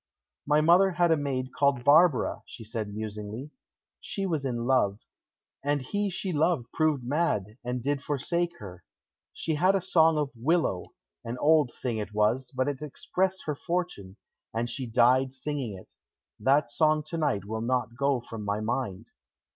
"My mother had a maid called Barbara," she said musingly. "She was in love, and he she loved proved mad, and did forsake her. She had a song of 'willow': an old thing it was, but it expressed her fortune, and she died singing it; that song to night will not go from my mind."